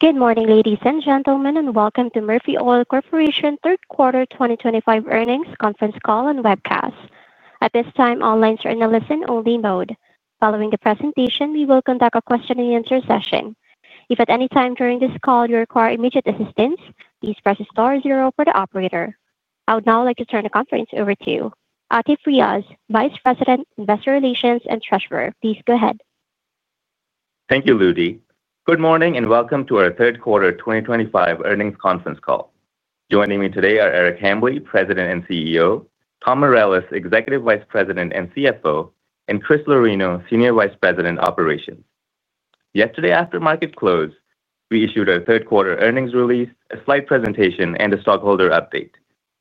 Good morning, ladies and gentlemen, and welcome to Murphy Oil Corporation Third Quarter 2025 Earnings Conference Call and Webcast. At this time, all lines are in the listen-only mode. Following the presentation, we will conduct a question-and-answer session. If at any time during this call you require immediate assistance, please press star zero for the operator. I would now like to turn the conference over to you. Atif Riaz, Vice President, Investor Relations and Treasurer, please go ahead. Thank you, Lucy. Good morning and welcome to our third quarter 2025 earnings conference call. Joining me today are Eric Hambly, President and CEO; Tom Mireles, Executive Vice President and CFO; and Chris Lorino, Senior Vice President, Operations. Yesterday, after market close, we issued our third quarter earnings release, a slide presentation, and a stockholder update.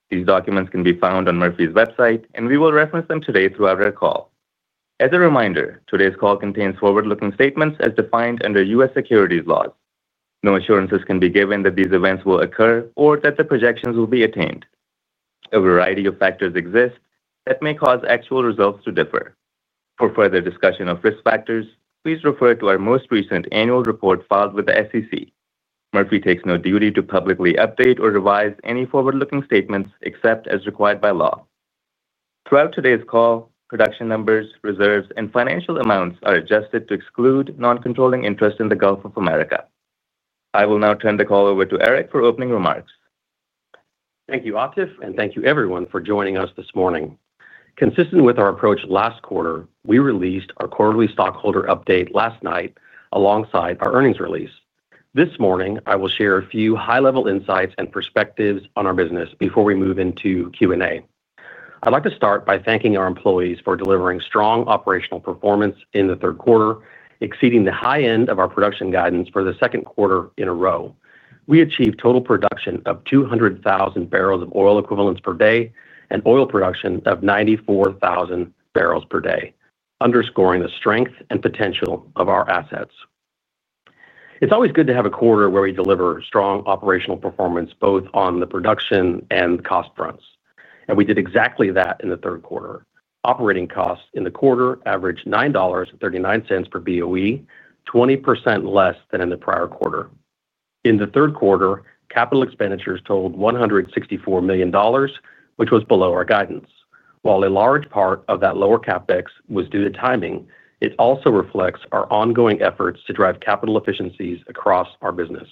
These documents can be found on Murphy's website, and we will reference them today throughout our call. As a reminder, today's call contains forward-looking statements as defined under U.S. securities laws. No assurances can be given that these events will occur or that the projections will be attained. A variety of factors exist that may cause actual results to differ. For further discussion of risk factors, please refer to our most recent annual report filed with the SEC. Murphy takes no duty to publicly update or revise any forward-looking statements except as required by law. Throughout today's call, production numbers, reserves, and financial amounts are adjusted to exclude non-controlling interest in the Gulf of America. I will now turn the call over to Eric for opening remarks. Thank you, Atif, and thank you, everyone, for joining us this morning. Consistent with our approach last quarter, we released our quarterly stockholder update last night alongside our earnings release. This morning, I will share a few high-level insights and perspectives on our business before we move into Q&A. I'd like to start by thanking our employees for delivering strong operational performance in the third quarter, exceeding the high end of our production guidance for the second quarter in a row. We achieved total production of 200,000 bbl of oil equivalent per day and oil production of 94,000 bbl per day, underscoring the strength and potential of our assets. It's always good to have a quarter where we deliver strong operational performance both on the production and cost fronts, and we did exactly that in Q3. Operating costs in the quarter averaged $9.39 per BOE, 20% less than in the prior quarter. In the third quarter, capital expenditures totaled $164 million, which was below our guidance. While a large part of that lower CapEx was due to timing, it also reflects our ongoing efforts to drive capital efficiencies across our business.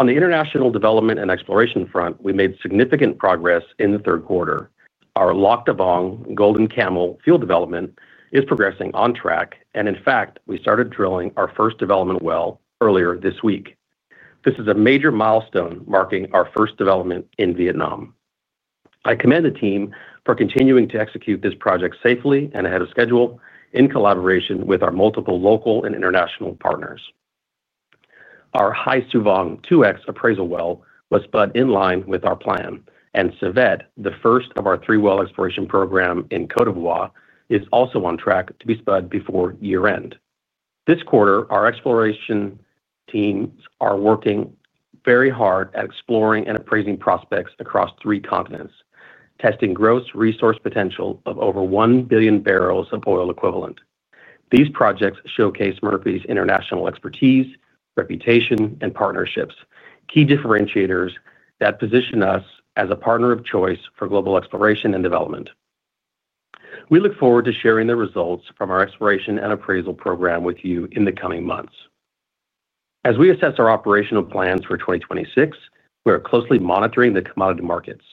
On the international development and exploration front, we made significant progress in the third quarter. Our Lac Da Vang Golden Camel field development is progressing on track, and in fact, we started drilling our first development well earlier this week. This is a major milestone marking our first development in Vietnam. I commend the team for continuing to execute this project safely and ahead of schedule in collaboration with our multiple local and international partners. Our Hai Su Vang 2X Appraisal Well was spud in line with our plan, and Civette, the first of our three-well exploration program in Côte d'Ivoire, is also on track to be spud before year-end. This quarter, our exploration teams are working very hard at exploring and appraising prospects across three continents, testing gross resource potential of over 1 billion bbl of oil equivalent. These projects showcase Murphy's international expertise, reputation, and partnerships, key differentiators that position us as a partner of choice for global exploration and development. We look forward to sharing the results from our exploration and appraisal program with you in the coming months. As we assess our operational plans for 2026, we are closely monitoring the commodity markets.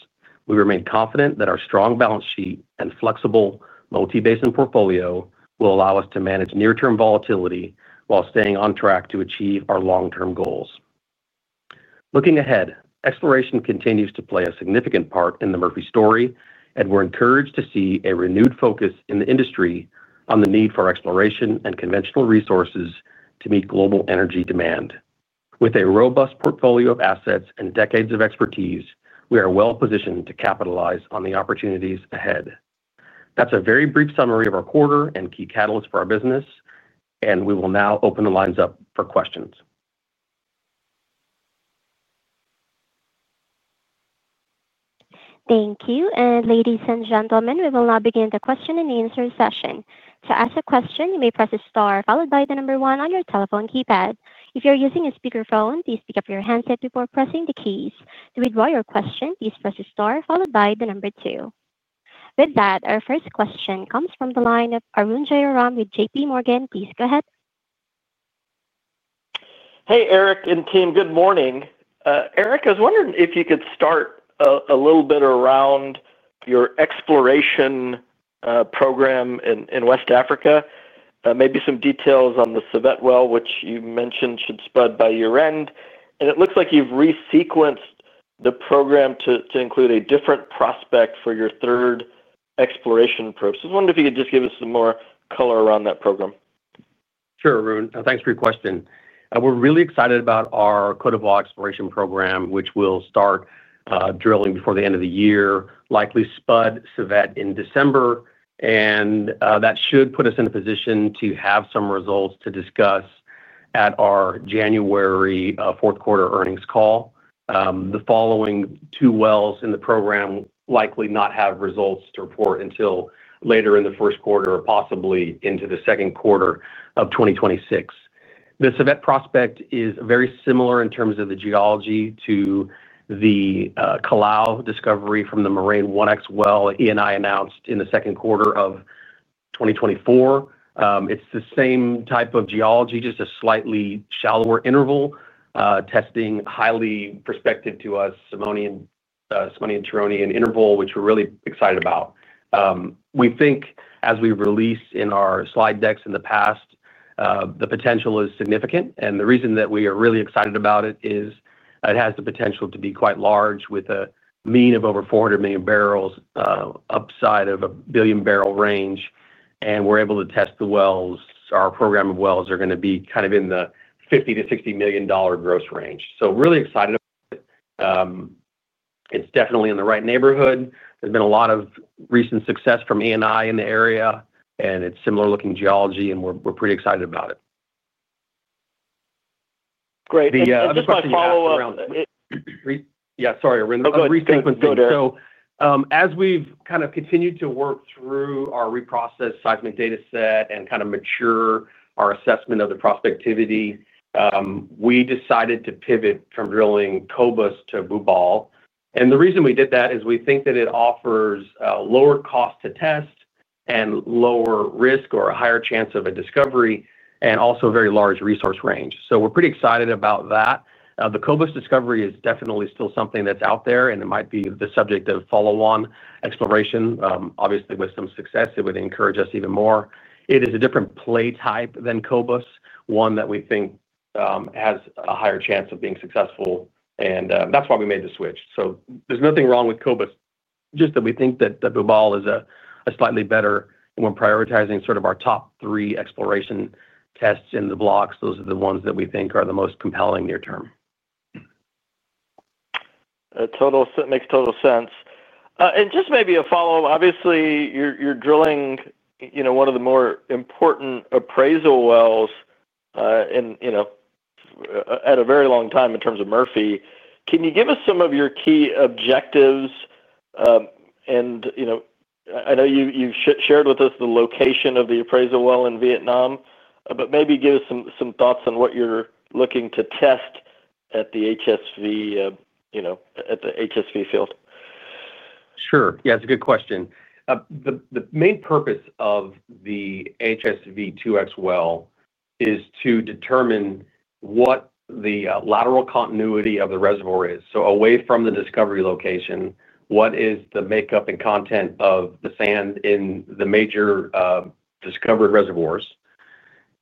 We remain confident that our strong balance sheet and flexible multi-basin portfolio will allow us to manage near-term volatility while staying on track to achieve our long-term goals. Looking ahead, exploration continues to play a significant part in the Murphy story, and we're encouraged to see a renewed focus in the industry on the need for exploration and conventional resources to meet global energy demand. With a robust portfolio of assets and decades of expertise, we are well positioned to capitalize on the opportunities ahead. That's a very brief summary of our quarter and key catalysts for our business, and we will now open the lines up for questions. Thank you. Ladies and gentlemen, we will now begin the question-and-answer session. To ask a question, you may press star followed by the number one on your telephone keypad. If you are using a speakerphone, please pick up your handset before pressing the keys. To withdraw your question, please press star followed by the number two. With that, our first question comes from the line of Arun Jayaram with JPMorgan. Please go ahead. Hey, Eric and team, good morning. Eric, was wondering if you could start a little bit around your exploration program in West Africa, maybe some details on the Civette Well, which you mentioned should spud by year-end. It looks like you've resequenced the program to include a different prospect for your third exploration approach. I wonder if you could just give us some more color around that program. Sure, Arun. Thanks for your question. We're really excited about our Côte d'Ivoire exploration program, which will start drilling before the end of the year, likely spud Civette in December. That should put us in a position to have some results to discuss at our January fourth quarter earnings call. The following two wells in the program likely will not have results to report until later in the first quarter or possibly into the second quarter of 2026. The Civette prospect is very similar in terms of the geology to the Calao discovery from the Murene-1X well Eni announced in the second quarter of 2024. It's the same type of geology, just a slightly shallower interval. Testing highly prospective to us, Santonian-Turonian interval, which we're really excited about. We think, as we've released in our slide decks in the past, the potential is significant. The reason that we are really excited about it is it has the potential to be quite large, with a mean of over 400 million bbl, upside of a billion bbl range. We are able to test the wells. Our program of wells are going to be kind of in the $50 million-$60 million gross range. Really excited about it. It is definitely in the right neighborhood. There has been a lot of recent success from Eni in the area, and it is similar-looking geology, and we are pretty excited about it. Great. Just my follow-up. Yeah, sorry, Arun. Go ahead. As we've kind of continued to work through our reprocessed seismic data set and kind of mature our assessment of the prospectivity, we decided to pivot from drilling Kobus to Bubale. The reason we did that is we think that it offers lower cost to test and lower risk or a higher chance of a discovery and also a very large resource range. We're pretty excited about that. The Kobus discovery is definitely still something that's out there, and it might be the subject of follow-on exploration, obviously with some success. It would encourage us even more. It is a different play type than Kobus, one that we think has a higher chance of being successful, and that's why we made the switch. There is nothing wrong with Kobus, just that we think that Bubale is a slightly better one, prioritizing sort of our top three exploration tests in the blocks. Those are the ones that we think are the most compelling near term. Makes total sense. Just maybe a follow-up. Obviously, you're drilling one of the more important appraisal wells at a very long time in terms of Murphy. Can you give us some of your key objectives? I know you've shared with us the location of the appraisal well in Vietnam, but maybe give us some thoughts on what you're looking to test at the HSV field. Sure. Yeah, it's a good question. The main purpose of the HSV-2X well is to determine what the lateral continuity of the reservoir is. Away from the discovery location, what is the makeup and content of the sand in the major discovered reservoirs.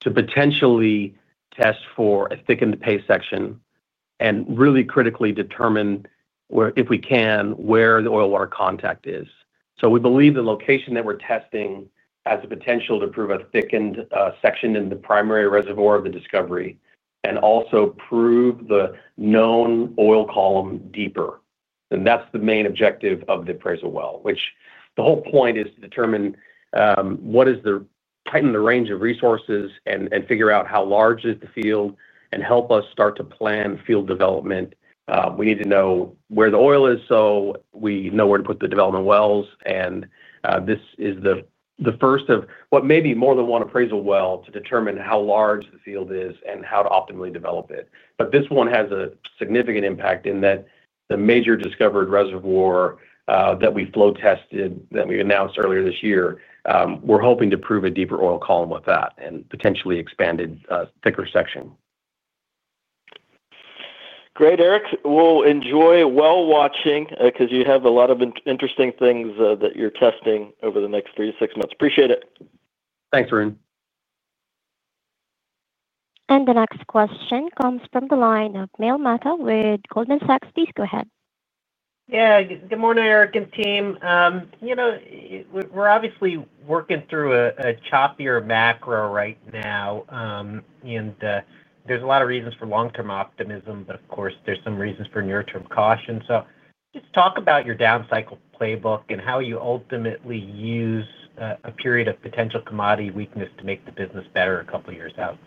To potentially test for a thickened pay section and really critically determine, if we can, where the oil-water contact is. We believe the location that we're testing has the potential to prove a thickened section in the primary reservoir of the discovery and also prove the known oil column deeper. That's the main objective of the appraisal well, which the whole point is to determine what is to tighten the range of resources and figure out how large is the field and help us start to plan field development. We need to know where the oil is so we know where to put the development wells. This is the first of what may be more than one appraisal well to determine how large the field is and how to optimally develop it. This one has a significant impact in that the major discovered reservoir that we flow tested that we announced earlier this year, we're hoping to prove a deeper oil column with that and potentially expanded thicker section. Great, Eric. We'll enjoy well watching because you have a lot of interesting things that you're testing over the next three to six months. Appreciate it. Thanks, Arun. The next question comes from the line of Neil Mehta with Goldman Sachs. Please go ahead. Yeah, good morning, Eric and team. We're obviously working through a choppier macro right now. There's a lot of reasons for long-term optimism, but of course, there's some reasons for near-term caution. Just talk about your down cycle playbook and how you ultimately use a period of potential commodity weakness to make the business better a couple of years out.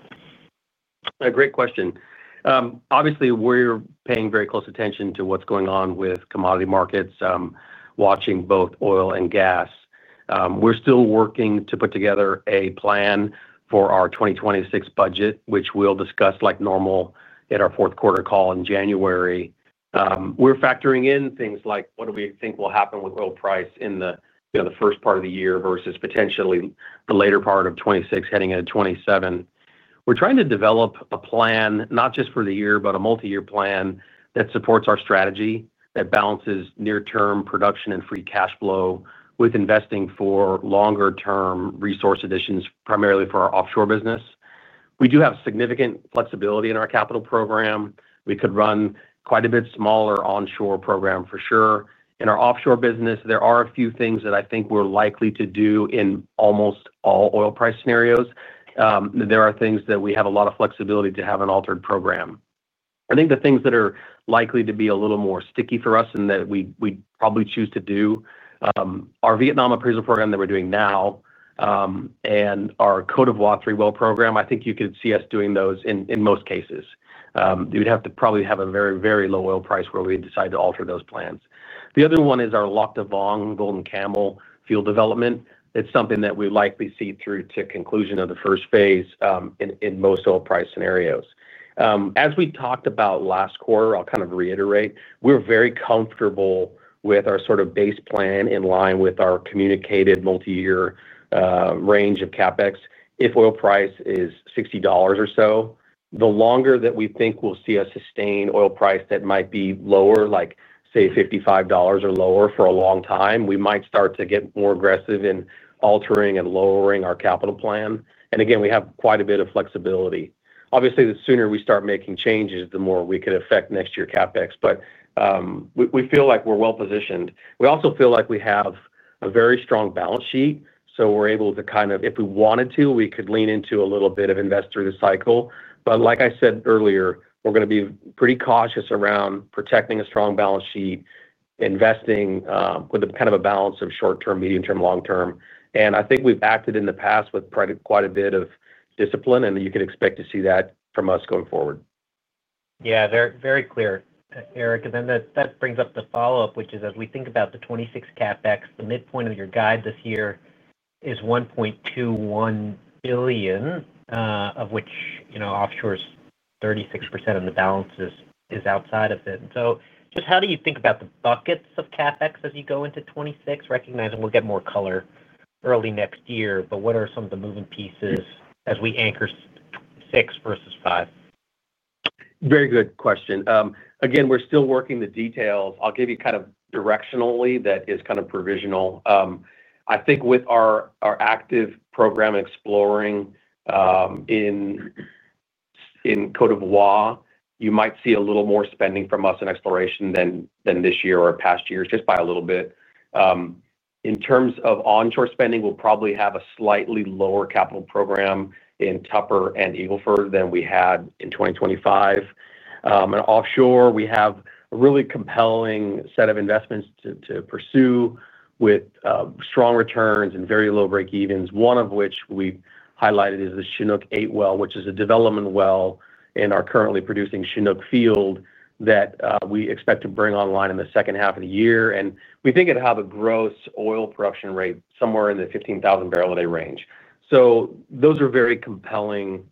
Great question. Obviously, we're paying very close attention to what's going on with commodity markets, watching both oil and gas. We're still working to put together a plan for our 2026 budget, which we'll discuss like normal at our fourth quarter call in January. We're factoring in things like what do we think will happen with oil price in the first part of the year versus potentially the later part of 2026 heading into 2027. We're trying to develop a plan, not just for the year, but a multi-year plan that supports our strategy, that balances near-term production and free cash flow with investing for longer-term resource additions, primarily for our offshore business. We do have significant flexibility in our capital program. We could run quite a bit smaller onshore program for sure. In our offshore business, there are a few things that I think we're likely to do in almost all oil price scenarios. There are things that we have a lot of flexibility to have an altered program. I think the things that are likely to be a little more sticky for us and that we probably choose to do are our Vietnam appraisal program that we're doing now and our Côte d'Ivoire three-well program. I think you could see us doing those in most cases. You would have to probably have a very, very low oil price where we decide to alter those plans. The other one is our Lac Da Vang Golden Camel field development. It's something that we likely see through to conclusion of the first phase in most oil price scenarios. As we talked about last quarter, I'll kind of reiterate, we're very comfortable with our sort of base plan in line with our communicated multi-year range of CapEx. If oil price is $60 or so, the longer that we think we'll see a sustained oil price that might be lower, like say $55 or lower for a long time, we might start to get more aggressive in altering and lowering our capital plan. Again, we have quite a bit of flexibility. Obviously, the sooner we start making changes, the more we could affect next year's CapEx. We feel like we're well positioned. We also feel like we have a very strong balance sheet. We're able to kind of, if we wanted to, we could lean into a little bit of invest through the cycle. Like I said earlier, we're going to be pretty cautious around protecting a strong balance sheet, investing with kind of a balance of short-term, medium-term, long-term. I think we've acted in the past with quite a bit of discipline, and you can expect to see that from us going forward. Yeah, very clear, Eric. That brings up the follow-up, which is as we think about the 2026 CapEx, the midpoint of your guide this year is $1.21 billion, of which offshore is 36%, and the balance is outside of it. Just how do you think about the buckets of CapEx as you go into 2026, recognizing we'll get more color early next year, but what are some of the moving pieces as we anchor six versus five? Very good question. Again, we're still working the details. I'll give you kind of directionally that is kind of provisional. I think with our active program exploring in Côte d'Ivoire, you might see a little more spending from us in exploration than this year or past years, just by a little bit. In terms of onshore spending, we'll probably have a slightly lower capital program in Tupper and Eagle Ford than we had in 2025. Offshore, we have a really compelling set of investments to pursue with strong returns and very low breakevens, one of which we highlighted is the Chinook 8-well, which is a development well in our currently producing Chinook field that we expect to bring online in the second half of the year. We think it'll have a gross oil production rate somewhere in the 15,000 bbl a day range. Those are very compelling.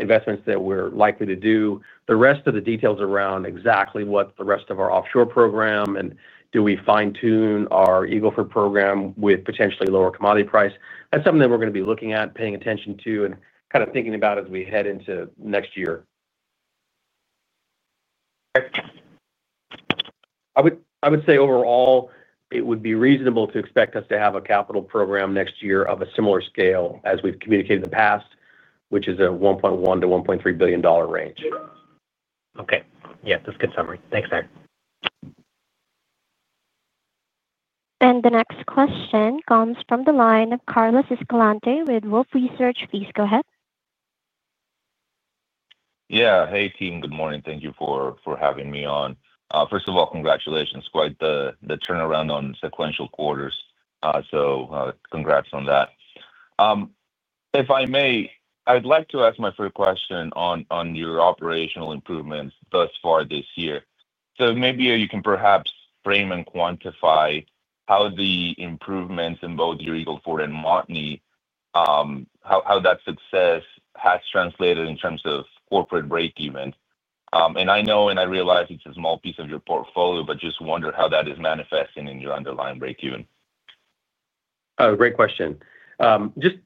Investments that we're likely to do. The rest of the details around exactly what the rest of our offshore program and do we fine-tune our Eagle Ford program with potentially lower commodity price, that's something that we're going to be looking at, paying attention to, and kind of thinking about as we head into next year. I would say overall, it would be reasonable to expect us to have a capital program next year of a similar scale as we've communicated in the past, which is a $1.1 billion-$1.3 billion range. Okay. Yeah, that's a good summary. Thanks, Eric. The next question comes from the line of Carlos Escalante with Wolfe Research. Please go ahead. Yeah. Hey, team. Good morning. Thank you for having me on. First of all, congratulations for the turnaround on sequential quarters. So congrats on that. If I may, I'd like to ask my first question on your operational improvements thus far this year. So maybe you can perhaps frame and quantify how the improvements in both your Eagle Ford and Montney. How that success has translated in terms of corporate breakeven. And I know and I realize it's a small piece of your portfolio, but just wonder how that is manifesting in your underlying breakeven. Great question. Just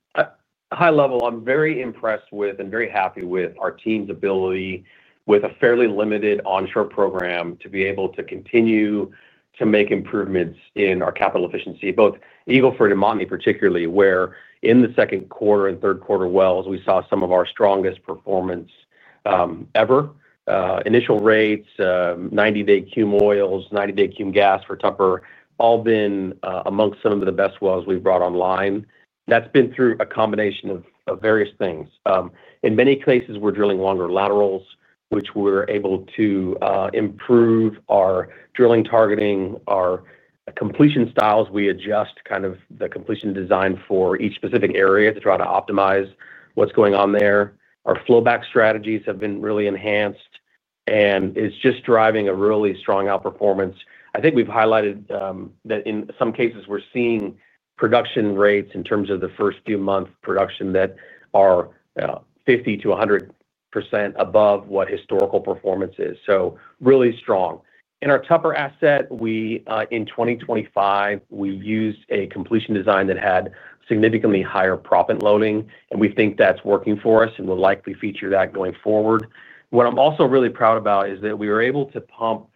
high level, I'm very impressed with and very happy with our team's ability with a fairly limited onshore program to be able to continue to make improvements in our capital efficiency, both Eagle Ford and Montney particularly, where in the second quarter and third quarter wells, we saw some of our strongest performance ever. Initial rates, 90-day cum oils, 90-day cum gas for Tupper, all been amongst some of the best wells we've brought online. That's been through a combination of various things. In many cases, we're drilling longer laterals, which we're able to improve our drilling targeting, our completion styles. We adjust kind of the completion design for each specific area to try to optimize what's going on there. Our flowback strategies have been really enhanced, and it's just driving a really strong outperformance. I think we've highlighted that in some cases, we're seeing production rates in terms of the first few months of production that are 50%-100% above what historical performance is. Really strong. In our Tupper asset, in 2025, we used a completion design that had significantly higher proppant loading, and we think that's working for us and will likely feature that going forward. What I'm also really proud about is that we were able to pump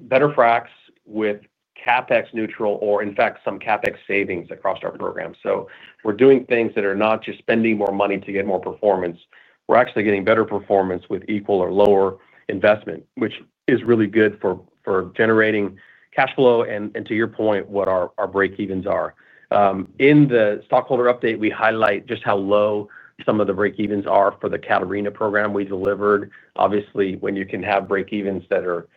better fracs with CapEx neutral or, in fact, some CapEx savings across our program. We're doing things that are not just spending more money to get more performance. We're actually getting better performance with equal or lower investment, which is really good for generating cash flow and, to your point, what our breakevens are. In the stockholder update, we highlight just how low some of the breakevens are for the Catarina program we delivered. Obviously, when you can have breakevens that are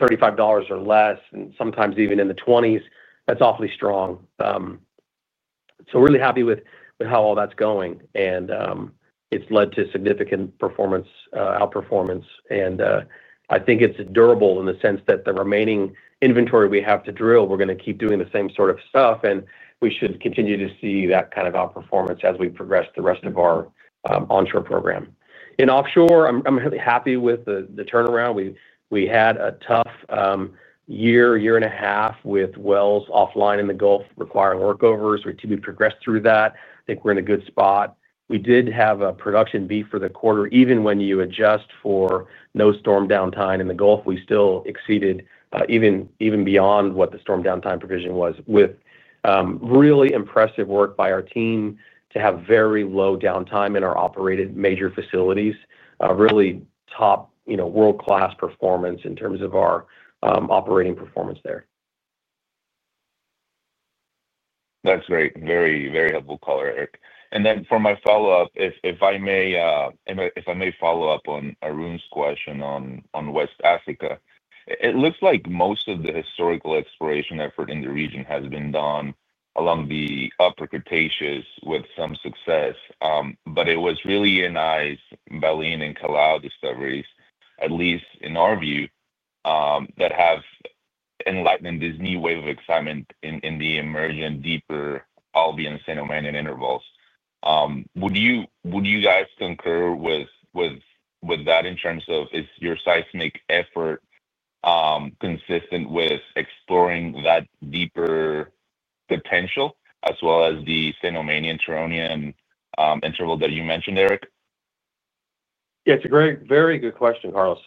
$35 or less and sometimes even in the $20s, that's awfully strong. Really happy with how all that's going. It has led to significant performance, outperformance. I think it's durable in the sense that the remaining inventory we have to drill, we're going to keep doing the same sort of stuff. We should continue to see that kind of outperformance as we progress the rest of our onshore program. In offshore, I'm really happy with the turnaround. We had a tough year, year and a half with wells offline in the Gulf requiring workovers. We progressed through that. I think we're in a good spot. We did have a production beef for the quarter. Even when you adjust for no storm downtime in the Gulf, we still exceeded even beyond what the storm downtime provision was with. Really impressive work by our team to have very low downtime in our operated major facilities, really top world-class performance in terms of our operating performance there. That's great. Very, very helpful call, Eric. For my follow-up, if I may. Follow up on Arun's question on West Africa, it looks like most of the historical exploration effort in the region has been done along the Upper Cretaceous with some success. It was really in Eni's Baleine and Calao discoveries, at least in our view, that have enlightened this new wave of excitement in the emerging deeper Albian-Santonian intervals. Would you guys concur with that in terms of is your seismic effort consistent with exploring that deeper potential as well as the Santonian-Turonian interval that you mentioned, Eric? Yeah, it's a very good question, Carlos.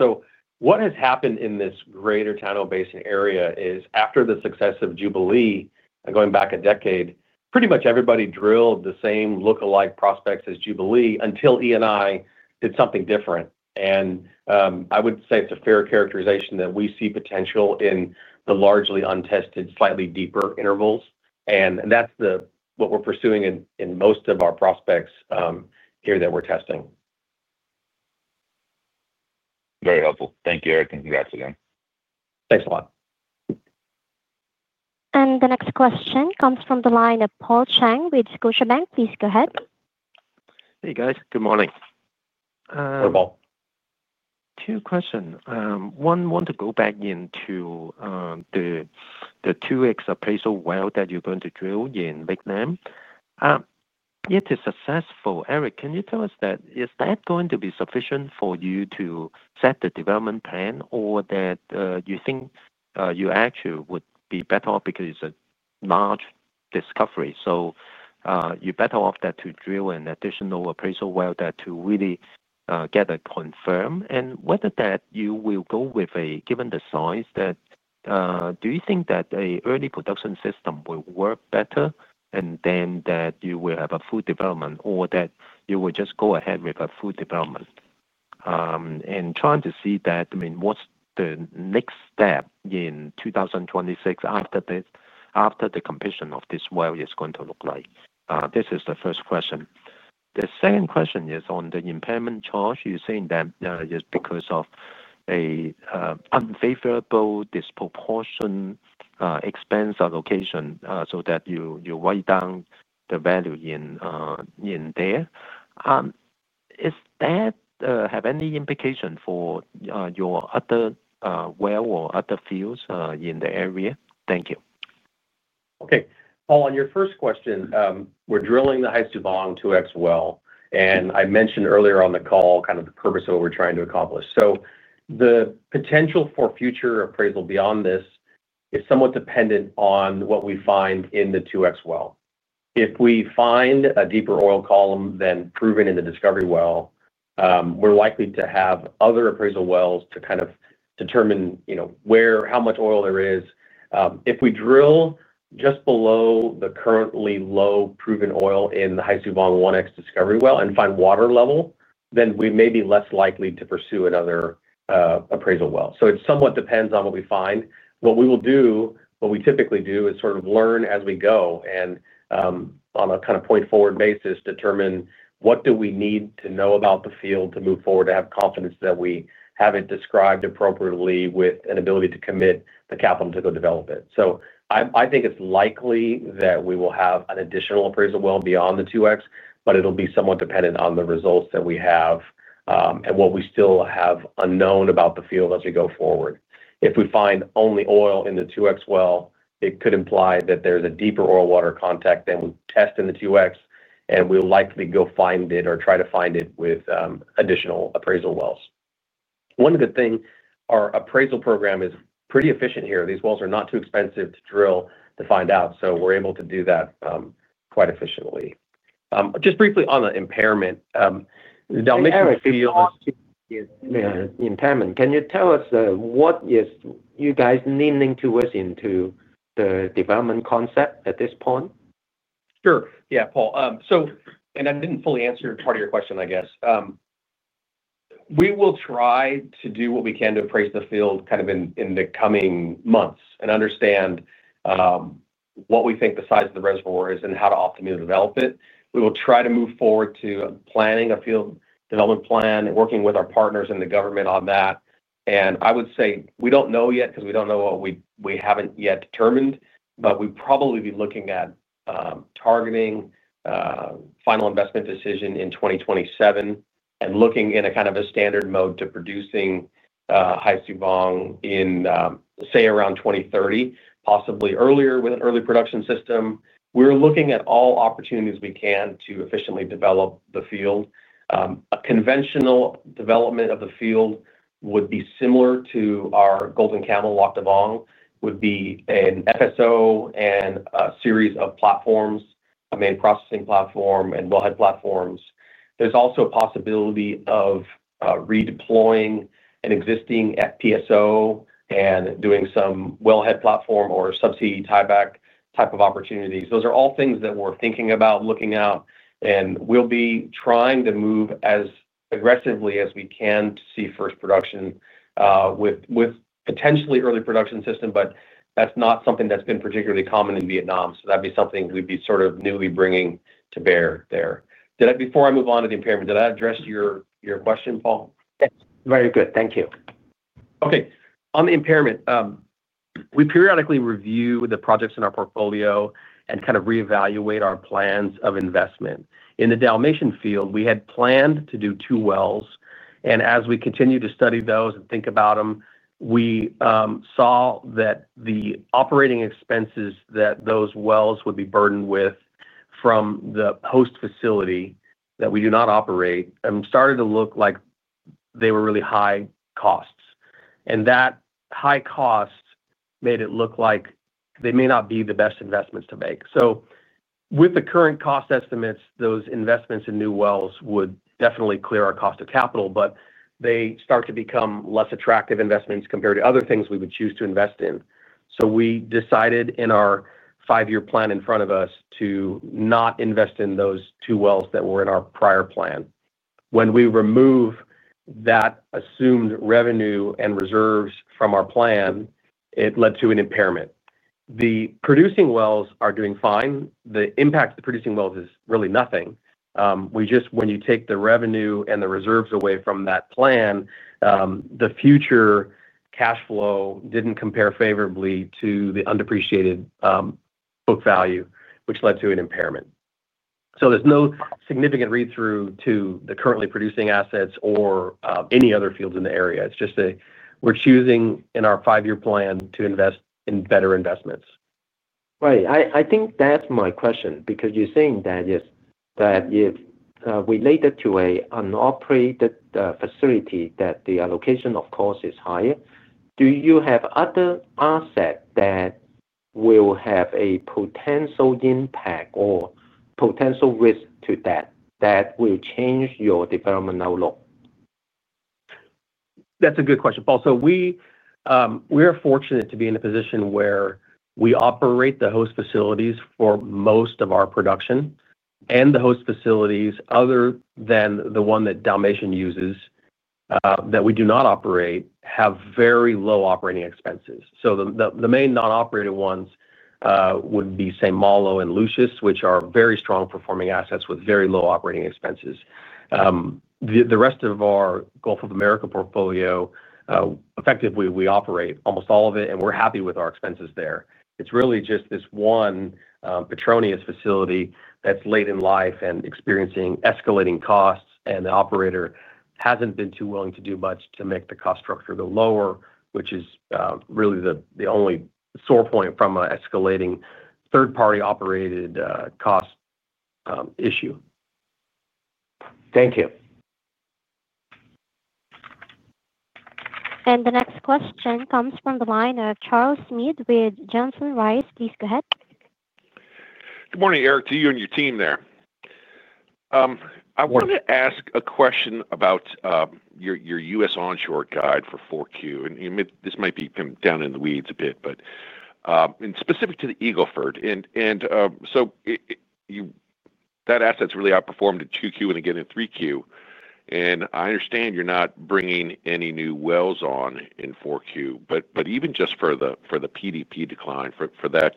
What has happened in this Greater Tano Basin area is after the success of Jubilee, going back a decade, pretty much everybody drilled the same look-alike prospects as Jubilee until Eni did something different. I would say it's a fair characterization that we see potential in the largely untested, slightly deeper intervals. That's what we're pursuing in most of our prospects here that we're testing. Very helpful. Thank you, Eric. Congrats again. Thanks a lot. The next question comes from the line of Paul Cheng with Scotiabank. Please go ahead. Hey, guys. Good morning. Hello, Paul. Two questions. One, want to go back into the 2X appraisal well that you're going to drill in Vietnam. If it's successful, Eric, can you tell us, is that going to be sufficient for you to set the development plan, or do you think you actually would be better off because it's a large discovery, so you're better off to drill an additional appraisal well to really get a confirm? Whether you will go with, given the size, do you think that an early production system will work better and that you will have a full development, or that you will just go ahead with a full development? Trying to see that. What's the next step in 2026 after the completion of this well going to look like? This is the first question. The second question is on the impairment charge. You're saying that just because of an unfavorable disproportion expense allocation so that you write down the value in there. Does that have any implication for your other well or other fields in the area? Thank you. Okay. Paul, on your first question, we're drilling the Hai Su Vang-2X well. I mentioned earlier on the call kind of the purpose of what we're trying to accomplish. The potential for future appraisal beyond this is somewhat dependent on what we find in the 2X well. If we find a deeper oil column than proven in the discovery well, we're likely to have other appraisal wells to kind of determine how much oil there is. If we drill just below the currently low proven oil in the Hai Su Vang-1X discovery well and find water level, then we may be less likely to pursue another appraisal well. It somewhat depends on what we find. What we will do, what we typically do, is sort of learn as we go. On a kind of point-forward basis, determine what do we need to know about the field to move forward to have confidence that we have it described appropriately with an ability to commit the capital to go develop it. I think it is likely that we will have an additional appraisal well beyond the 2X, but it will be somewhat dependent on the results that we have and what we still have unknown about the field as we go forward. If we find only oil in the 2X well, it could imply that there is a deeper oil-water contact than we test in the 2X, and we will likely go find it or try to find it with additional appraisal wells. One good thing, our appraisal program is pretty efficient here. These wells are not too expensive to drill to find out. We are able to do that quite efficiently. Just briefly on the impairment. The Dominican Republic. Yeah, I'm sorry. Impairment. Can you tell us what you guys are leaning towards into the development concept at this point? Sure. Yeah, Paul. I did not fully answer part of your question, I guess. We will try to do what we can to appraise the field in the coming months and understand what we think the size of the reservoir is and how to optimally develop it. We will try to move forward to planning a field development plan and working with our partners and the government on that. I would say we do not know yet because we have not yet determined, but we would probably be looking at targeting final investment decision in 2027 and looking in a kind of a standard mode to producing Hai Su Vang in, say, around 2030, possibly earlier with an early production system. We are looking at all opportunities we can to efficiently develop the field. A conventional development of the field would be similar to our Golden Camel Lac Da Vang, would be an FSO and a series of platforms, a main processing platform and wellhead platforms. There's also a possibility of redeploying an existing FPSO and doing some wellhead platform or subsea tieback type of opportunities. Those are all things that we're thinking about, looking at, and we'll be trying to move as aggressively as we can to see first production, with potentially early production system, but that's not something that's been particularly common in Vietnam. That would be something we'd be sort of newly bringing to bear there. Before I move on to the impairment, did I address your question, Paul? Yes. Very good. Thank you. Okay. On the impairment. We periodically review the projects in our portfolio and kind of reevaluate our plans of investment. In the Dalmatian field, we had planned to do two wells. As we continue to study those and think about them, we saw that the operating expenses that those wells would be burdened with from the host facility that we do not operate started to look like they were really high costs. That high cost made it look like they may not be the best investments to make. With the current cost estimates, those investments in new wells would definitely clear our cost of capital, but they start to become less attractive investments compared to other things we would choose to invest in. We decided in our five-year plan in front of us to not invest in those two wells that were in our prior plan. When we remove that assumed revenue and reserves from our plan, it led to an impairment. The producing wells are doing fine. The impact of the producing wells is really nothing. When you take the revenue and the reserves away from that plan, the future cash flow did not compare favorably to the underappreciated book value, which led to an impairment. There is no significant read-through to the currently producing assets or any other fields in the area. It is just that we are choosing in our five-year plan to invest in better investments. Right. I think that's my question because you're saying that. Is that if related to an unoperated facility that the allocation, of course, is higher, do you have other assets that will have a potential impact or potential risk to that that will change your development outlook? That's a good question, Paul. We are fortunate to be in a position where we operate the host facilities for most of our production. The host facilities, other than the one that Dalmatian uses that we do not operate, have very low operating expenses. The main non-operated ones would be St. Malo and Lucius, which are very strong-performing assets with very low operating expenses. The rest of our Gulf of America portfolio, effectively, we operate almost all of it, and we're happy with our expenses there. It's really just this one Petronas facility that's late in life and experiencing escalating costs, and the operator hasn't been too willing to do much to make the cost structure go lower, which is really the only sore point from an escalating third-party operated cost issue. Thank you. The next question comes from the line of Charles Meade with Johnson Rice. Please go ahead. Good morning, Eric, to you and your team there. I wanted to ask a question about your U.S. onshore guide for 4Q. This might be kind of down in the weeds a bit, but specific to the Eagle Ford. That asset's really outperformed in 2Q and again in 3Q. I understand you're not bringing any new wells on in 4Q, but even just for the PDP decline for that,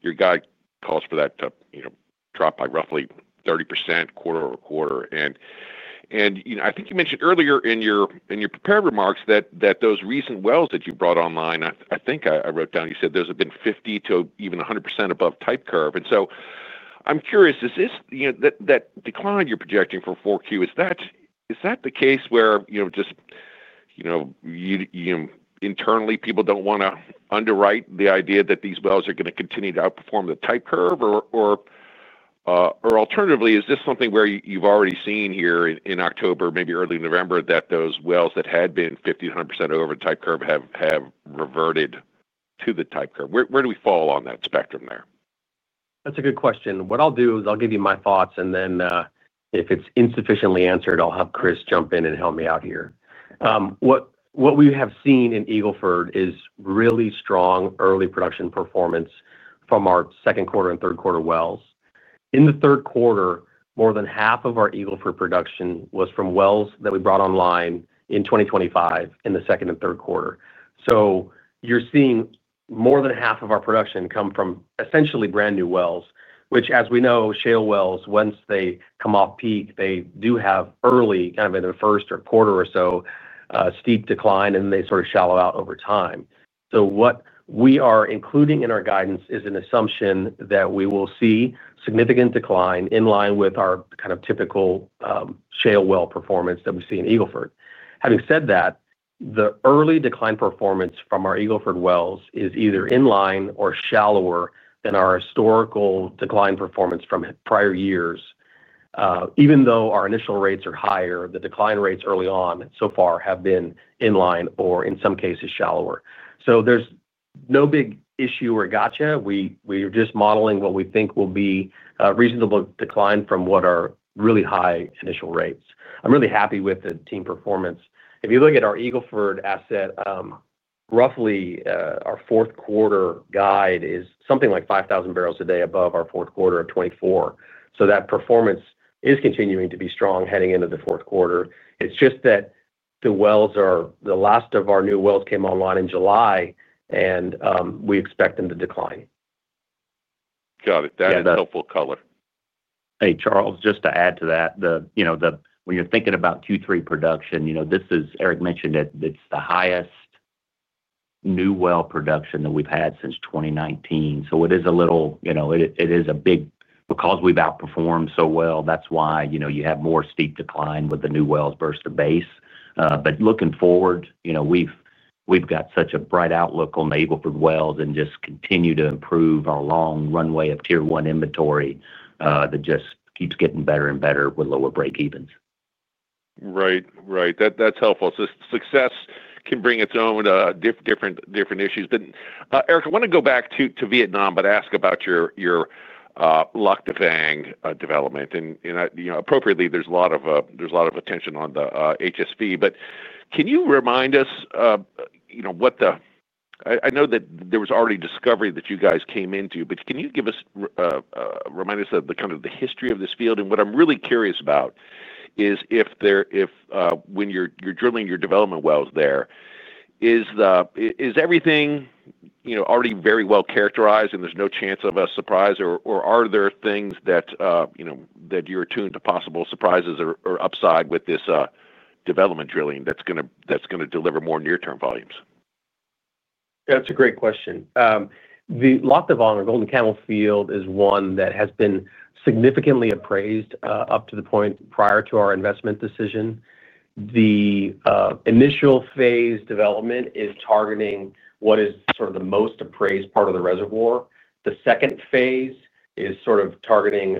your guide calls for that to drop by roughly 30% quarter-over-quarter. I think you mentioned earlier in your prepared remarks that those recent wells that you brought online, I think I wrote down, you said there's been 50% to even 100% above type curve. I'm curious, is this that decline you're projecting for 4Q, is that the case where just. Internally, people do not want to underwrite the idea that these wells are going to continue to outperform the type curve? Alternatively, is this something where you have already seen here in October, maybe early November, that those wells that had been 50%-100% over the type curve have reverted to the type curve? Where do we fall on that spectrum there? That's a good question. What I'll do is I'll give you my thoughts, and then if it's insufficiently answered, I'll have Chris jump in and help me out here. What we have seen in Eagle Ford is really strong early production performance from our second quarter and third quarter wells. In the third quarter, more than half of our Eagle Ford production was from wells that we brought online in 2025 in the second and third quarter. You are seeing more than half of our production come from essentially brand-new wells, which, as we know, shale wells, once they come off peak, they do have early, kind of in the first quarter or so, steep decline, and then they sort of shallow out over time. What we are including in our guidance is an assumption that we will see significant decline in line with our kind of typical. Shale well performance that we see in Eagle Ford. Having said that, the early decline performance from our Eagle Ford wells is either in line or shallower than our historical decline performance from prior years. Even though our initial rates are higher, the decline rates early on so far have been in line or in some cases shallower. There is no big issue or gotcha. We are just modeling what we think will be a reasonable decline from what are really high initial rates. I am really happy with the team performance. If you look at our Eagle Ford asset, roughly our fourth quarter guide is something like 5,000 bbl a day above our fourth quarter of 2024. That performance is continuing to be strong heading into the fourth quarter. It is just that the wells are the last of our new wells came online in July, and we expect them to decline. Got it. That is helpful color. Hey, Charles, just to add to that. When you're thinking about Q3 production, as Eric mentioned, it's the highest new well production that we've had since 2019. It is a big deal because we've outperformed so well, that's why you have more steep decline with the new wells versus the base. Looking forward, we've got such a bright outlook on the Eagle Ford wells and just continue to improve our long runway of Tier 1 inventory that just keeps getting better and better with lower breakevens. Right. Right. That's helpful. Success can bring its own different issues. Eric, I want to go back to Vietnam, but ask about your Lac Da Vang development. Appropriately, there's a lot of attention on the HSV. Can you remind us, I know that there was already a discovery that you guys came into, but can you give us, remind us of the kind of the history of this field? What I'm really curious about is if, when you're drilling your development wells there, is everything already very well characterized and there's no chance of a surprise, or are there things that you're attuned to, possible surprises or upside with this development drilling that's going to deliver more near-term volumes? That's a great question. The Lac Da Vang or Golden Camel field is one that has been significantly appraised up to the point prior to our investment decision. The initial phase development is targeting what is sort of the most appraised part of the reservoir. The second phase is sort of targeting,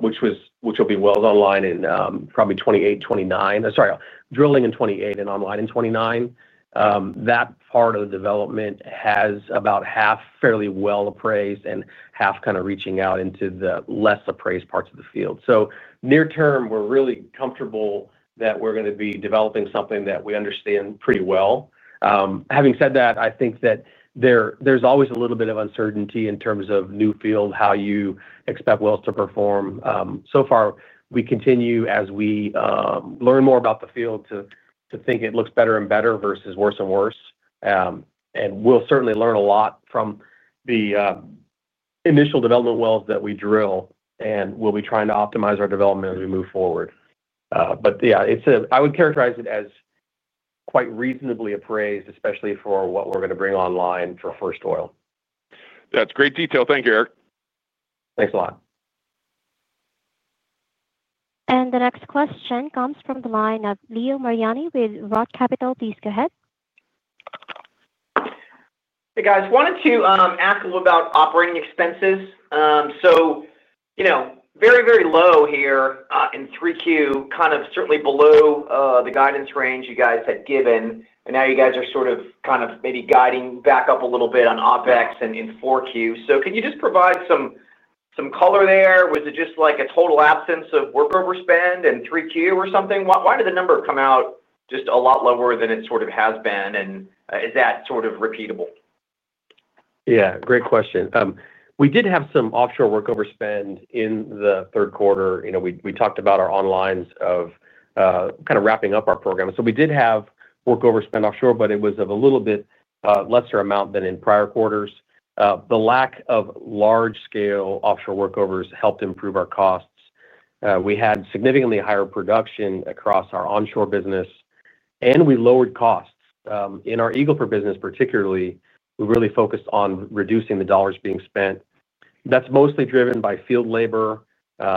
which will be wells online in probably 2028, 2029. Sorry, drilling in 2028 and online in 2029. That part of the development has about half fairly well appraised and half kind of reaching out into the less appraised parts of the field. Near term, we're really comfortable that we're going to be developing something that we understand pretty well. Having said that, I think that there's always a little bit of uncertainty in terms of new field, how you expect wells to perform. So far, we continue as we learn more about the field to think it looks better and better versus worse and worse. We will certainly learn a lot from the initial development wells that we drill, and we will be trying to optimize our development as we move forward. Yeah, I would characterize it as quite reasonably appraised, especially for what we are going to bring online for first oil. That's great detail. Thank you, Eric. Thanks a lot. The next question comes from the line of Leo Mariani with ROTH Capital. Please go ahead. Hey, guys. Wanted to ask a little about operating expenses. Very, very low here in 3Q, kind of certainly below the guidance range you guys had given. Now you guys are sort of kind of maybe guiding back up a little bit on OpEx in 4Q. Can you just provide some color there? Was it just like a total absence of workover spend in 3Q or something? Why did the number come out just a lot lower than it sort of has been? Is that sort of repeatable? Yeah. Great question. We did have some offshore workover spend in the third quarter. We talked about our onlines of kind of wrapping up our program. We did have workover spend offshore, but it was of a little bit lesser amount than in prior quarters. The lack of large-scale offshore workovers helped improve our costs. We had significantly higher production across our onshore business. We lowered costs. In our Eagle Ford business, particularly, we really focused on reducing the dollars being spent. That's mostly driven by field labor,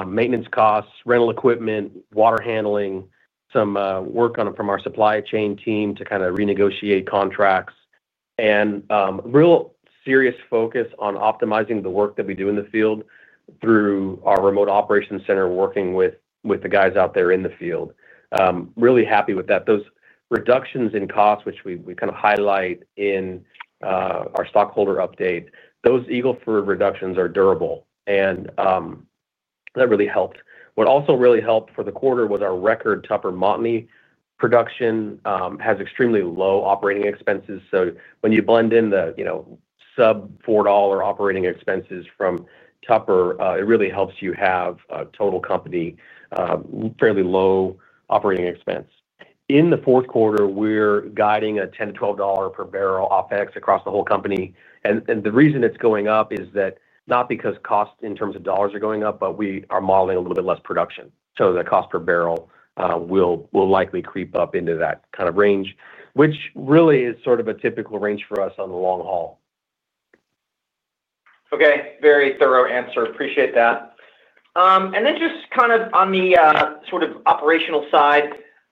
maintenance costs, rental equipment, water handling, some work from our supply chain team to kind of renegotiate contracts, and real serious focus on optimizing the work that we do in the field through our remote operations center, working with the guys out there in the field. Really happy with that. Those reductions in costs, which we kind of highlight in. Our stockholder update, those Eagle Ford reductions are durable. That really helped. What also really helped for the quarter was our record Tupper Montney production has extremely low operating expenses. When you blend in the sub-$4 operating expenses from Tupper, it really helps you have a total company fairly low operating expense. In the fourth quarter, we are guiding a $10-$12 per bbl OpEx across the whole company. The reason it is going up is not because cost in terms of dollars are going up, but we are modeling a little bit less production. The cost per barrel will likely creep up into that kind of range, which really is sort of a typical range for us on the long haul. Okay. Very thorough answer. Appreciate that. And then just kind of on the sort of operational side,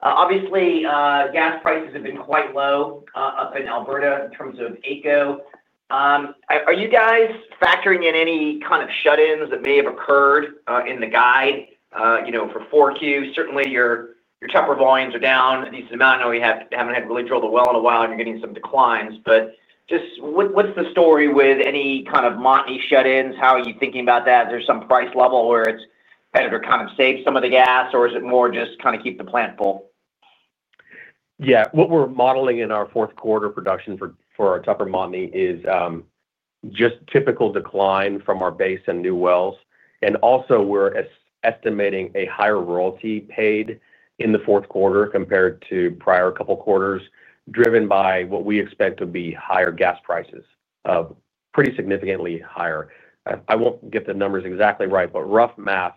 obviously, gas prices have been quite low up in Alberta in terms of AECO. Are you guys factoring in any kind of shut-ins that may have occurred in the guide for Q4? Certainly, your Tupper volumes are down. At least the amount I know you haven't really drilled a well in a while, and you're getting some declines. But just what's the story with any kind of Montney shut-ins? How are you thinking about that? Is there some price level where it's better to kind of save some of the gas, or is it more just kind of keep the plant full? Yeah. What we're modeling in our fourth quarter production for our Tupper Montney is just typical decline from our base and new wells. Also, we're estimating a higher royalty paid in the fourth quarter compared to prior couple of quarters, driven by what we expect to be higher gas prices. Pretty significantly higher. I won't get the numbers exactly right, but rough math,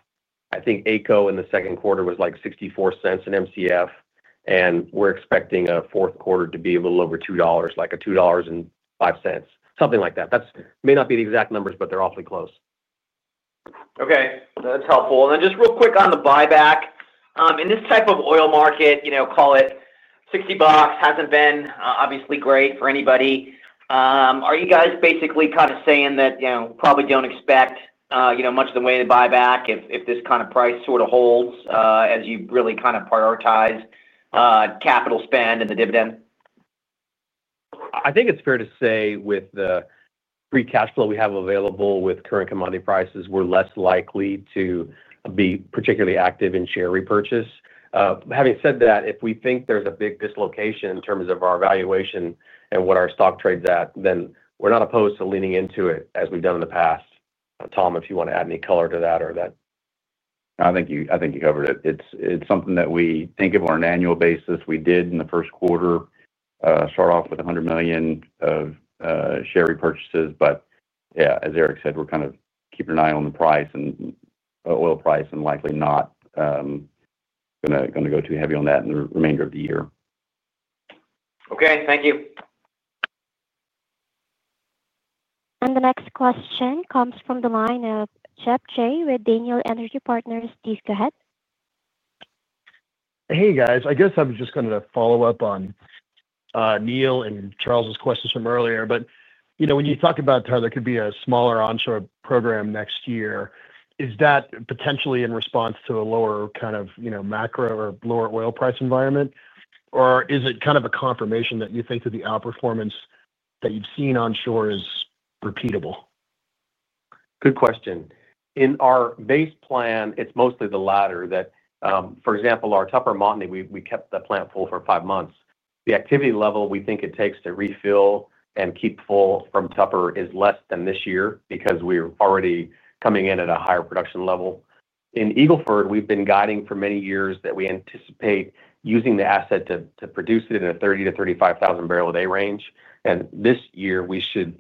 I think AECO in the second quarter was like $0.64 in Mcf, and we're expecting fourth quarter to be a little over $2, like $2.05, something like that. That may not be the exact numbers, but they're awfully close. Okay. That's helpful. And then just real quick on the buyback. In this type of oil market, call it $60, hasn't been obviously great for anybody. Are you guys basically kind of saying that you probably don't expect much of the way to buy back if this kind of price sort of holds as you really kind of prioritize capital spend and the dividend? I think it's fair to say with the pre-cash flow we have available with current commodity prices, we're less likely to be particularly active in share repurchase. Having said that, if we think there's a big dislocation in terms of our valuation and what our stock trades at, then we're not opposed to leaning into it as we've done in the past. Tom, if you want to add any color to that or that? I think you covered it. It's something that we think of on an annual basis. We did in the first quarter. Start off with $100 million of share repurchases. Yeah, as Eric said, we're kind of keeping an eye on the price and oil price and likely not going to go too heavy on that in the remainder of the year. Okay. Thank you. The next question comes from the line of Geoff Jay with Daniel Energy Partners. Please go ahead. Hey, guys. I guess I'm just going to follow up on Neil and Charles' questions from earlier. When you talk about how there could be a smaller onshore program next year, is that potentially in response to a lower kind of macro or lower oil price environment? Is it kind of a confirmation that you think that the outperformance that you've seen onshore is repeatable? Good question. In our base plan, it is mostly the latter that, for example, our Tupper Montney, we kept the plant full for five months. The activity level we think it takes to refill and keep full from Tupper is less than this year because we are already coming in at a higher production level. In Eagle Ford, we have been guiding for many years that we anticipate using the asset to produce it in a 30,000-35,000 bbl a day range. This year, we should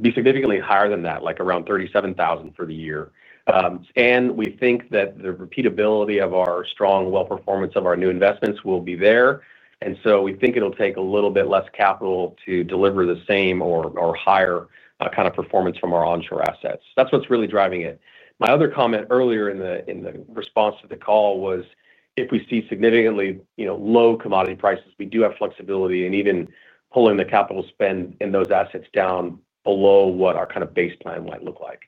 be significantly higher than that, like around 37,000 for the year. We think that the repeatability of our strong well performance of our new investments will be there. We think it will take a little bit less capital to deliver the same or higher kind of performance from our onshore assets. That is what is really driving it. My other comment earlier in the response to the call was if we see significantly low commodity prices, we do have flexibility in even pulling the capital spend in those assets down below what our kind of baseline might look like,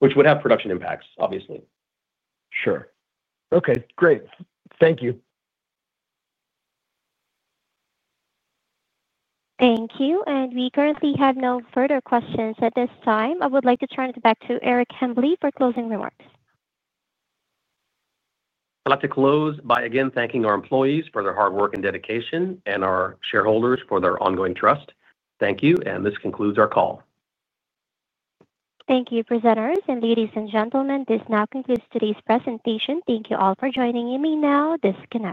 which would have production impacts, obviously. Sure. Okay. Great. Thank you. Thank you. We currently have no further questions at this time. I would like to turn it back to Eric Hambly for closing remarks. I'd like to close by again thanking our employees for their hard work and dedication and our shareholders for their ongoing trust. Thank you. This concludes our call. Thank you, presenters. Ladies and gentlemen, this now concludes today's presentation. Thank you all for joining me. Now, this con.